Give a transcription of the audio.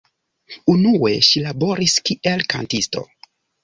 Unue ŝi laboris kiel kantisto.